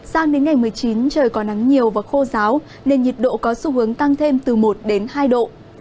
sang đến ngày một mươi chín trời có nắng nhiều và khô giáo nên nhiệt độ có xu hướng tăng thêm từ một hai độ